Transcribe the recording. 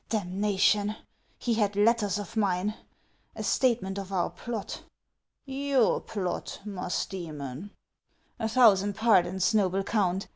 " Damnation 1 He had letters of mine, — a statement of our plot !"" Your plot, Musdcemon !"" A thousand pardons, noble Count